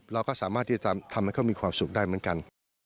เราก็สามารถที่จะทำให้เขามีความสุขได้เหมือนกัน